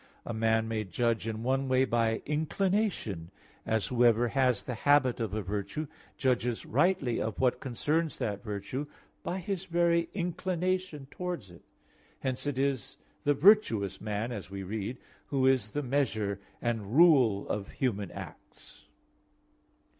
A man may judge in one way by inclination, as whoever has the habit of a virtue judges rightly of what concerns that virtue by his very inclination towards it. Hence it is the virtuous man, as we read, who is the measure and rule of human acts.